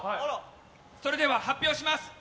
それでは発表します。